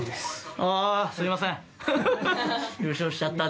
ああ、すいません。